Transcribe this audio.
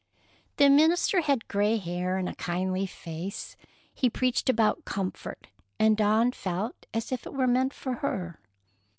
The minister had gray hair and a kindly face. He preached about comfort, and Dawn felt as if it were meant for her.